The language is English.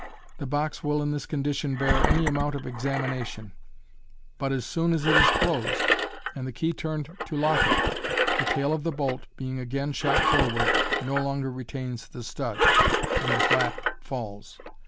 The box will in this condition bear any amount of examination, but Fig. 51. Fig. 52. 138 MODERN MAGIC. as soon as it is closed, and the key turned to lock it, the tail of the bolt, being again shot forward, no longer retains the stud, and the flap falls.